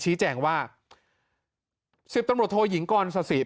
ชี้แจงว่า๑๐ตำรวจโทยิงกรสสิ